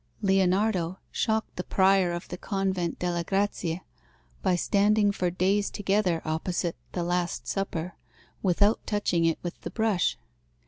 Leonardo shocked the prior of the convent delle Grazie by standing for days together opposite the "Last Supper" without touching it with the brush.